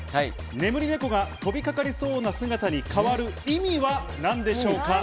眠り猫が飛び掛かりそうな姿に変わる意味は何でしょうか？